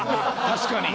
確かに。